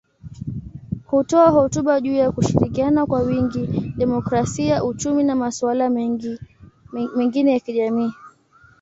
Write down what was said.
Hutoa hotuba juu ya kushirikiana kwa wingi, demokrasia, uchumi na masuala mengine ya kijamii.